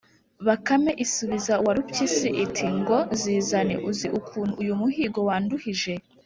“bakame isubiza warupyisi iti: “ngo zizana! uzi ukuntu uyu muhigo wanduhije?